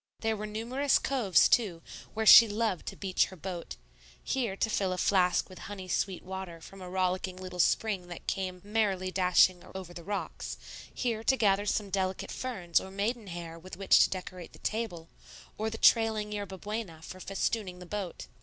There were numerous coves too, where she loved to beach her boat, here to fill a flask with honey sweet water from a rollicking little spring that came merrily dashing over the rocks, here to gather some delicate ferns or maiden hair with which to decorate the table, or the trailing yerba buena for festooning the boat.